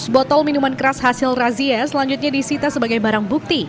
dua ratus botol minuman keras hasil razia selanjutnya disita sebagai barang bukti